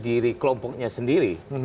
diri kelompoknya sendiri